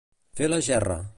Fer la gerra.